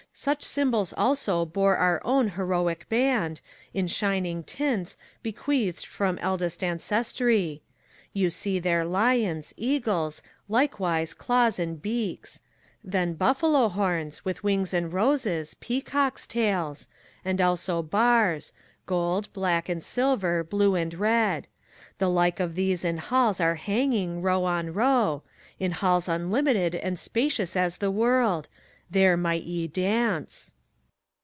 Such symbols also bore our own heroic band, In shining tints, bequeathed from eldest ancestry. You see there lions, eagles, likewise claws and beaks. Then buffalo horns, with wings and roses, peacock's tails. And also bars — gold, black and silver, blue and red. The like of these in halls are hanging, row on row, — In halls unlimited and spacious as the world : There might ye dance